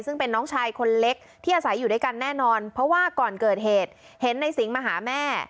ซึ่งเป็นน้องชายคนเล็กที่อาศัยอยู่ด้วยกันแน่นอนเพราะว่าก่อนเกิดเหตุเห็นในสิงห์มาหาแม่